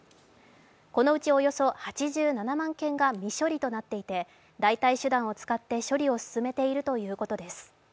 このうちおよそ８７万件が未処理となっていて代替手段を使って処理を進めているということです。